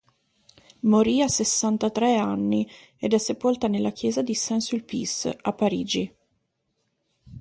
Morì a sessantatré anni ed è sepolta nella chiesa di Saint-Sulpice, a Parigi.